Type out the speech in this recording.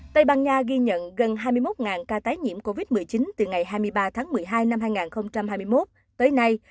tây ban nha ghi nhận gần hai mươi một ca tái nhiễm covid một mươi chín từ ngày hai mươi ba tháng một mươi hai năm hai nghìn hai mươi một tới nay